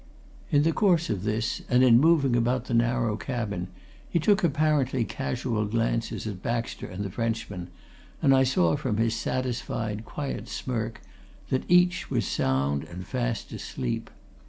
In the course of this, and in moving about the narrow cabin, he took apparently casual glances at Baxter and the Frenchman, and I saw from his satisfied, quiet smirk that each was sound and fast asleep.